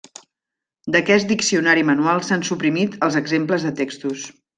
D'aquest diccionari manual s'han suprimit els exemples de textos.